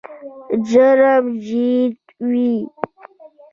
جرم جدي وي.